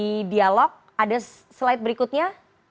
di dialog ada slide berikutnya